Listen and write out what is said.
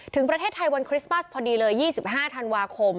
ถึงประเทศไทยวันคริสต์มัสพอดีเลย๒๕ธันวาคม